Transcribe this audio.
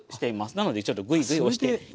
なのでちょっとグイグイ押して。